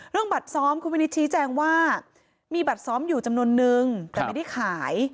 เรื่องบาดซ้อมคุณวินิธชี้แจ้งว่ามีบาดซ้อมอยู่จำนวนนึงแต่ไม่ได้ขาย